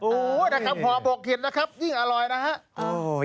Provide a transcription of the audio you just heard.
โอ้โหนะครับห่อบกเห็นนะครับยิ่งอร่อยนะฮะ